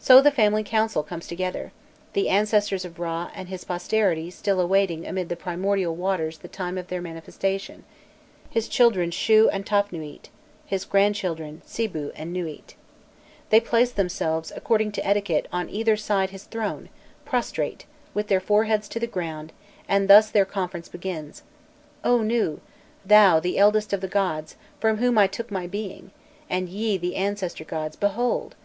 So the family council comes together: the ancestors of Râ, and his posterity still awaiting amid the primordial waters the time of their manifestation his children Shû and Tafnûît, his grandchildren Sibû and Nûît. They place themselves, according to etiquette, on either side his throne, prostrate, with their foreheads to the ground, and thus their conference begins: "O Nû, thou the eldest of the gods, from whom I took my being, and ye the ancestor gods, behold!